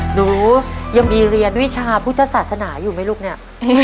หนูยังมีเรียนวิชาพุทธศาสนาอยู่ไหมลูกเนี่ย